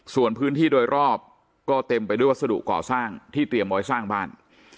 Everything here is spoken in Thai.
ส่วนพื้นที่โดยรอบก็เต็มไปด้วยวัสดุก่อสร้างที่เตรียมไว้สร้างบ้าน